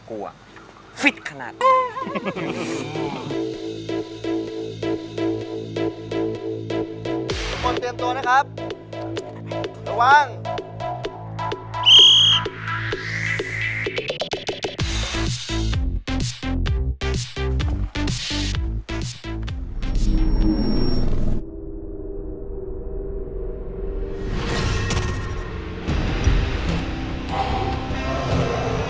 ไขว้ขาไขว้ขา